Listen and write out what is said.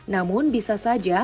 namun bisa saja